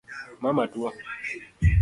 Mama tuo?